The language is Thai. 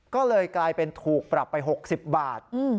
ก็เลยกลายเป็นถูกปรับไป๖๐บาท